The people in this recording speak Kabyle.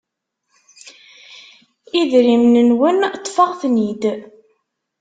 idrimen-nwen, ṭṭfeɣ-ten-id.